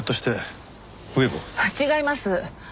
違います。